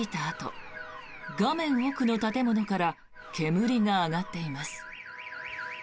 あと画面奥の建物から煙が上がっています。